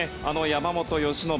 山本由伸